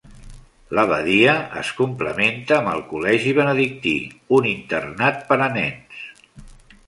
L'abadia es complementa amb el Col·legi Benedictí, un internat per a nens.